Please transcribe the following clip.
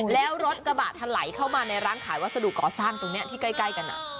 แล้วรถกระบะถลายเข้ามาในร้านขายวัสดุก่อสร้างตรงนี้ที่ใกล้กัน